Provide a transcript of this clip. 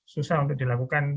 susah untuk dilakukan